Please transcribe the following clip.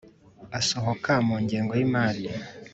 asohoka mu ngengo y’imari.